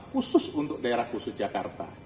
khusus untuk daerah khusus jakarta